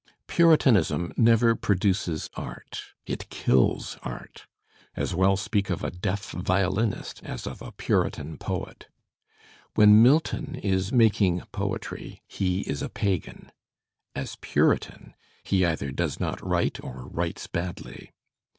Puritanism n ever pr oduces art; it kills art. As well speak of a deaf violinist as of a Puritan poet. When Milton is making poetry he is a pagan: as Puritan he either does not write or writes badly.